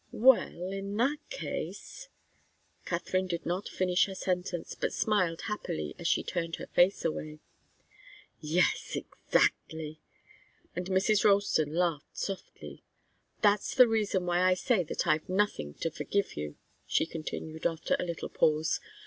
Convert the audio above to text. "Well in that case " Katharine did not finish her sentence, but smiled happily as she turned her face away. "Yes exactly!" And Mrs. Ralston laughed softly. "That's the reason why I say that I've nothing to forgive you," she continued, after a little pause.